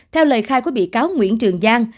theo lời khai của bị cáo nguyễn trường giang